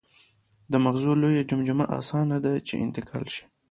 د مغزو لویه جمجمه اسانه نهده، چې انتقال شي.